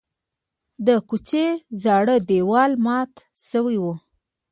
د کوڅې زاړه دیوال مات شوی و.